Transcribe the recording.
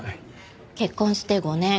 結婚して５年。